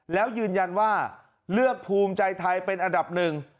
แล้วยืนยันว่าเลือกภูมิใจไทยเป็นอันดับหนึ่ง